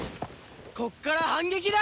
ここから反撃だ！